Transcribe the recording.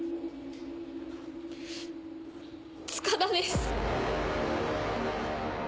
塚田です。